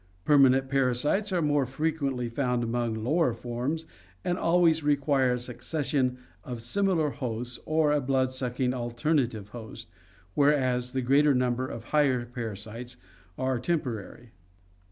Permanent parasites are more frequently found among lower forms and always require a succes sion of similar hosts or a blood sucking alternative host, whereas the greater number of higher parasites are temporary.